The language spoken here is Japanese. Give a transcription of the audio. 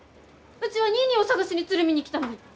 うちはニーニーを捜しに鶴見に来たのに！